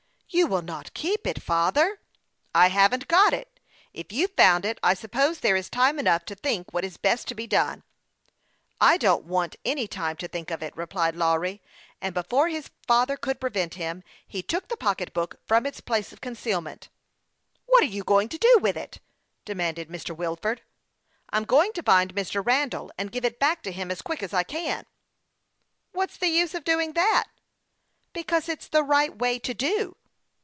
" You will not keep it, father ?"" I haven't got it. If you have found it in the boat, I suppose there is time enough to think what is best to be done." " I don't want any time to think of it," replied Lawry ; and before his father could prevent him, he sprang to the boat, and took the pocketbook from its place of concealment. " What are you going to do with it ?" demanded Mr. Wilford. " I'm going to find Mr. Randall, and give it back to him, as quick as I can." "What's the use of doing that?" " Because it's the right way to do."